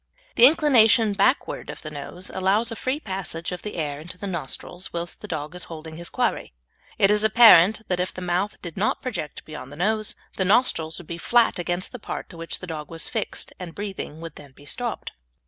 The inclination backward of the nose allows a free passage of the air into the nostrils whilst the dog is holding his quarry. It is apparent that if the mouth did not project beyond the nose, the nostrils would be flat against the part to which the dog was fixed, and breathing would then be stopped.